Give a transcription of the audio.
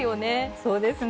そうですね。